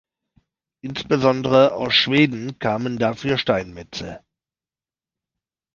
Insbesondere aus Schweden kamen dafür Steinmetze.